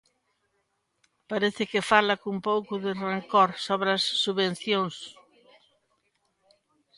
Parece que fala cun pouco de rancor sobre as subvencións.